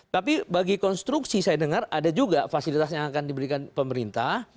tapi bagi konstruksi saya dengar ada juga fasilitas yang akan diberikan pemerintah